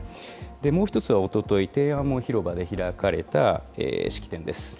こちら、もう一つはおととい、天安門広場で開かれた式典です。